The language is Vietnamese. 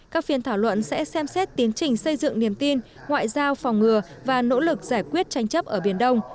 các phiên thảo luận sẽ xem xét tiến trình xây dựng niềm tin ngoại giao phòng ngừa và nỗ lực giải quyết tranh chấp ở biển đông